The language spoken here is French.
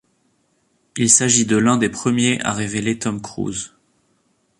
Il s’agit de l'un des premiers à révéler Tom Cruise.